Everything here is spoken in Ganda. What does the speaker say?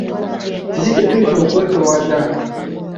Kiki kye tuyita okwetowaza?